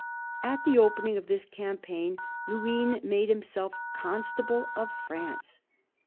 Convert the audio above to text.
At the opening of this campaign, Luynes made himself Constable of France.